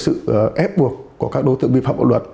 sự ép buộc của các đối tượng bị phạm bạo luật